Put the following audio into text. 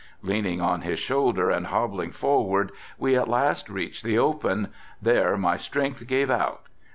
Leaning on his shoulder and hobbling forward we at last reached the open, there my strength gave out.